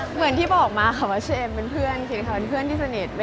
เหมือนที่บอกมาว่าเชมเป็นเพื่อนที่สนิท